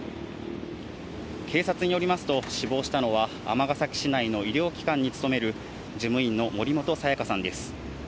警察によりますと、死亡したのは尼崎市内の医療機関に勤める、事務員の森本彩加さんです。